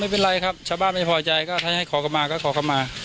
อ๋อไม่เป็นไรครับชาวบ้านไม่โป่อยใจก็ถ้าให้ขอกลับมาก็ขอกลับมา